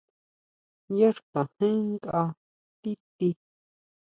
Yá xkajén nkʼa ti tí.